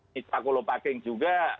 nita kulopaking juga